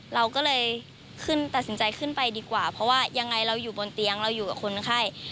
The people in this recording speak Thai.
เราก็เลยขึ้นตัดสินใจขึ้นไปดีกว่าเพราะว่ายังไงเราอยู่บนเตียงเราอยู่กับคนไข้